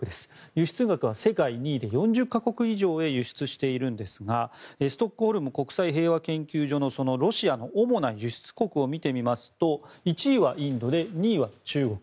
輸出額は世界２位で４０か国以上へ輸出しているんですがストックホルム国際平和研究所のロシアの主な輸出国を見てみますと１位はインドで２位は中国。